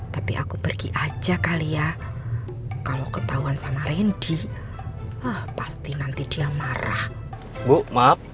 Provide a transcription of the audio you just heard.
tapi aku pergi aja kali ya kalau ketahuan sama randy pasti nanti dia marah bu maaf